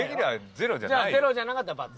じゃあゼロじゃなかったら「バツ」。